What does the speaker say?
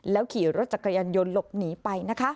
ขี่รถจักรยานยนต์หลบหนีไปนะคะ